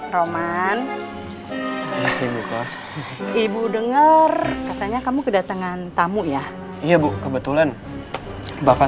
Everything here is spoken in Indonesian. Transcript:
roman ibu kursi ibu denger katanya kamu kedatangan tamu ya iya bu kebetulan bapak